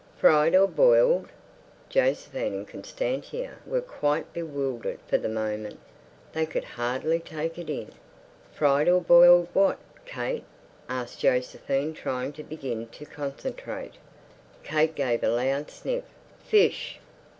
Fried or boiled? Josephine and Constantia were quite bewildered for the moment. They could hardly take it in. "Fried or boiled what, Kate?" asked Josephine, trying to begin to concentrate. Kate gave a loud sniff. "Fish."